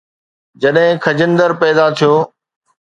جڏهن خجندر پيدا ٿيو